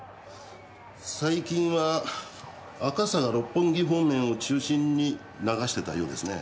最近は赤坂六本木方面を中心に流してたようですね。